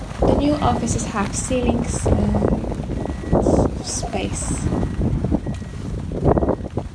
The new offices have ceilings and of space.